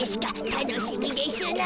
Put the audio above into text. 楽しみでしゅな。